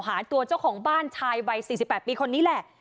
หาตัวเจ้าของบ้านชายวัย๔๘ปีคนนี้แหละ